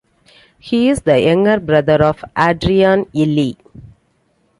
He is the younger brother of Adrian Ilie.